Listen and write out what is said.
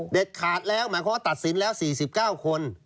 ขาดแล้วหมายความว่าตัดสินแล้ว๔๙คน